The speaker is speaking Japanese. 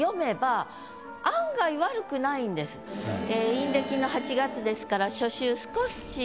陰暦の８月ですから初秋。